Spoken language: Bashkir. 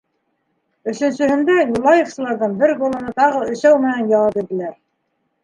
Өсөнсөһөндә юлаевсыларҙың бер голына тағы өсәү менән яуап бирҙеләр.